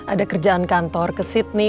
ada kerjaan kantor ke sydney